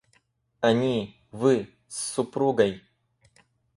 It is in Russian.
Они... Вы... с супругой.